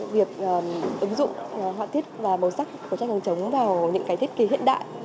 việc ứng dụng họa tiết và màu sắc của tranh hàng chống vào những cái thiết kế hiện đại